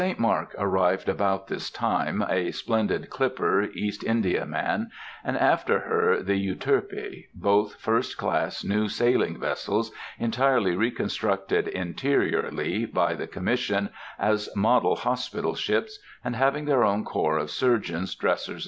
The St. Mark arrived about this time, a splendid clipper East Indiaman, and, after her, the Euterpe, both first class new sailing vessels, entirely reconstructed interiorly by the Commission, as model hospital ships, and having their own corps of surgeons, dressers, &c.